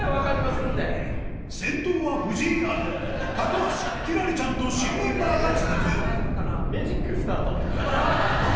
先頭は藤井アナ高橋輝星ちゃんと新メンバーが続く